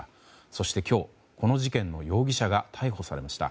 そして今日、この事件の容疑者が逮捕されました。